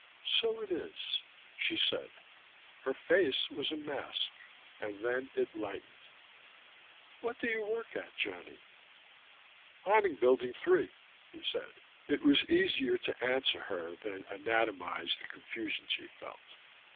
"So it is," she said. Her face was a mask: and then it lightened. "What do you work at, Johnny?" "I'm in Building Three," he said: it was easier to answer her than anatomize the confusions he felt.